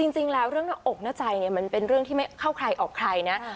จริงแล้วเรื่องหน้าอกหน้าใจเนี่ยมันเป็นเรื่องที่ไม่เข้าใครออกใครนะ